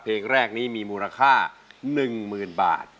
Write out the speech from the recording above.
เพลงแรกนี้มีมูลค่า๑๐๐๐บาท